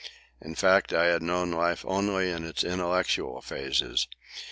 In fact, I had known life only in its intellectual phases.